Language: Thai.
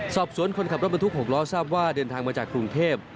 คนขับรถบรรทุก๖ล้อทราบว่าเดินทางมาจากกรุงเทพ